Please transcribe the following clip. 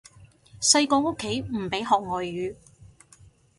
細個屋企唔俾學外語